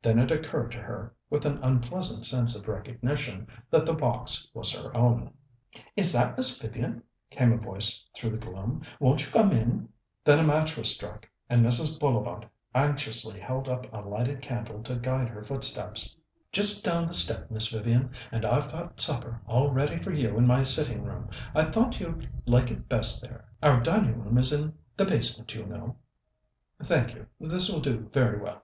Then it occurred to her, with an unpleasant sense of recognition, that the box was her own. "Is that Miss Vivian?" came a voice through the gloom. "Won't you come in?" Char came in, gingerly enough. Then a match was struck, and Mrs. Bullivant anxiously held up a lighted candle to guide her footsteps. "Just down the step, Miss Vivian, and I've got supper all ready for you in my sitting room. I thought you'd like it best there. Our dining room is in the basement, you know." "Thank you; this will do very well."